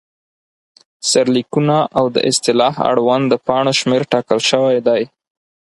سرلیکونه، او د اصطلاحاتو اړوند د پاڼو شمېر ټاکل شوی دی.